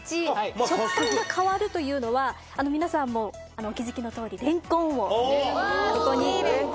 食感が変わるというのは皆さんもお気付きのとおりれんこんをここに入れて行きます。